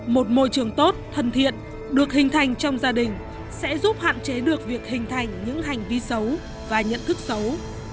một môi trường tốt thân thiện được hình thành trong gia đình sẽ giúp hạn chế được việc hình thành những hành vi xấu và nhận thức xấu